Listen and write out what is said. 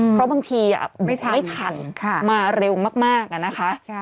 เพราะบางทีเบรกไม่ทันมาเร็วมากนะคะ